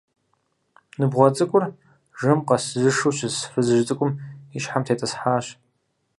Ныбгъуэ цӀыкӀур жэм къэзышу щыс фызыжь цӀыкӀум и щхьэм тетӀысхьащ.